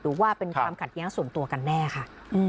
หรือว่าเป็นความขัดแย้งส่วนตัวกันแน่ค่ะ